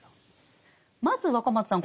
まず若松さん